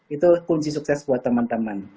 itu kunci sukses buat teman teman